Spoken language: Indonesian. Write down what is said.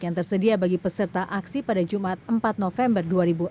yang tersedia bagi peserta aksi pada jumat empat november dua ribu enam belas